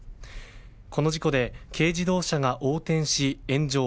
この事故で軽自動車が横転し、炎上。